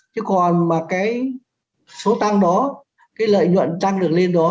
chứ còn mà cái số tăng đó cái lợi nhuận tăng được lên đó